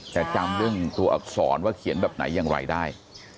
แต่จำเรื่องตัวอักษรว่าเขียนแบบไหนอย่างไรได้